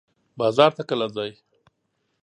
بازار ته کله ځئ؟